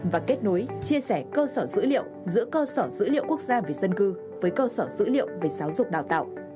và kết nối chia sẻ cơ sở dữ liệu giữa cơ sở dữ liệu quốc gia về dân cư với cơ sở dữ liệu về giáo dục đào tạo